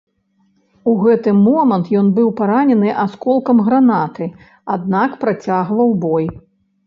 У гэты момант ён быў паранены асколкам гранаты, аднак працягваў бой.